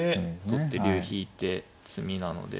取って竜引いて詰みなので。